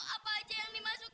ibu jangan diminum